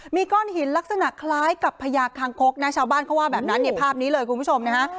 มีก้อนหินลักษณะคล้ายกับพญาคางคกนะชาวบ้านเขาว่าแบบนั้นเนี่ยภาพนี้เลยคุณผู้ชมนะฮะ